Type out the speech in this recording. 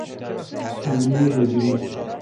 سنۀ هجری